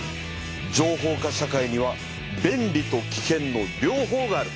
情報化社会には「便利」と「きけん」の両方がある。